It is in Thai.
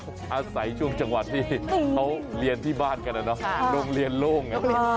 อาศัยช่วงจังหวัดที่เขาเรียนที่บ้านกันนะเนาะโรงเรียนโล่ง